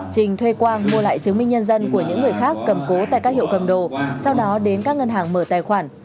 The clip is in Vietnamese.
trình thuê quang mua lại chứng minh nhân dân của những người khác cầm cố tại các hiệu cầm đồ sau đó đến các ngân hàng mở tài khoản